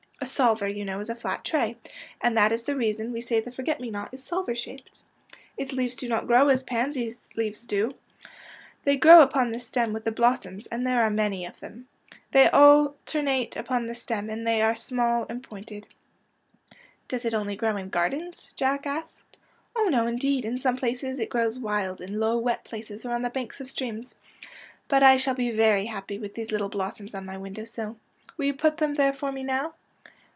A salver, you know, is a flat tray — and that is the reason we say the forget me not is salver shaped. '' Its leaves do not grow as pansy leaves do. They grow upon the stem with the blos soms, and there are many of them. They al ternate upon the stem, and they are small and pointed.'^ IN MAMMA'S ROOM 79 ^' Does it grow only in gardens? " Jack asked. " Oh, no, indeed; in some places it grows wild, in low, wet places, or on the banks of streams. But I shall be very happy with these little blossoms on my window sill. Will you put them there for me now?